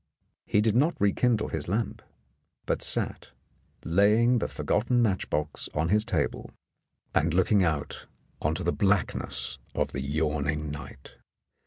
He did not rekindle his lamp, but sat, laying the forgotten match box on his table, and looking out into "5 In the Dark the blackness of the yawning night.